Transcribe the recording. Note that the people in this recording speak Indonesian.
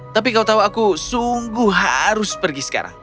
tapi kau tahu aku sungguh harus pergi sekarang